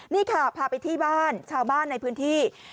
นี่ค่ะพาไปที่บ้านชาวบ้านในพื้นที่